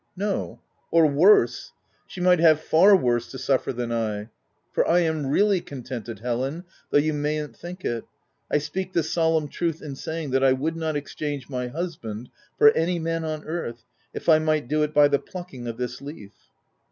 " No — or worse. She might have far worse to suffer than I — for I am really contented, Helen, though you mayn't think it : I speak the solemn truth in saying that I would not ex change my husband for any man on earth, if I might do it by the plucking of this leaf."